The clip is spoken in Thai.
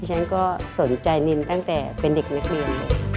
ฉันก็สนใจนินตั้งแต่เป็นเด็กนักเรียน